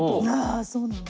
あそうなんだ！